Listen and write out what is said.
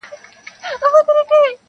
• اوس گيله وكړي له غلو كه له قسمته -